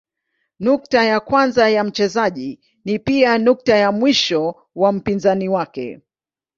Nukta ya kwanza ya mchezaji ni pia nukta ya mwisho wa mpinzani wake.